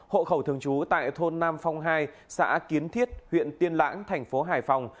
hộ khẩu thường trú tại thôn nam phong hai xã kiến thiết huyện tiên lãng thành phố hải phòng